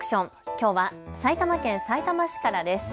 きょうは埼玉県さいたま市からです。